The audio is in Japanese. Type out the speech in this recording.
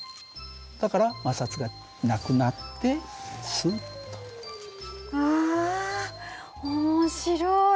だから摩擦がなくなってスッと。わ面白い。